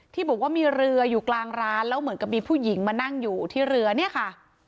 ที่บอกว่ามีเรืออยู่กลางร้านแล้วเหมือนกับมีผู้หญิงมานั่งอยู่ที่เรือเนี่ยค่ะ